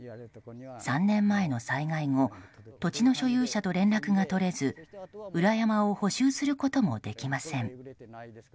３年前の災害後土地の所有者と連絡が取れず裏山を補修することもできません。